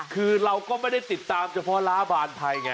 คือเราก็ไม่ได้ติดตามเฉพาะล้าบานไทยไง